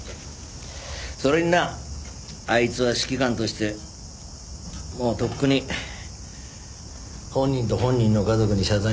それになあいつは指揮官としてもうとっくに本人と本人の家族に謝罪を入れてる。